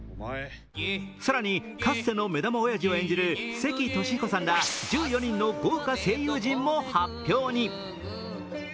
更に、かつての目玉おやじを演じる関俊彦さんら１４人の豪華声優陣も発表に。